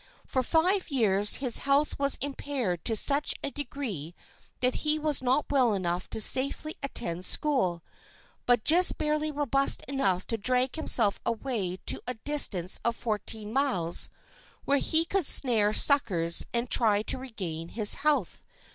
For five years his health was impaired to such a degree that he was not well enough to safely attend school, but just barely robust enough to drag himself away to a distance of fourteen miles, where he could snare suckers and try to regain his health.